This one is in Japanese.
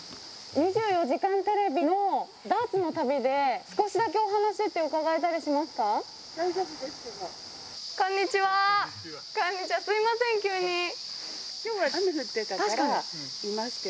２４時間テレビのダーツの旅で、少しだけお話って伺えたりしますか？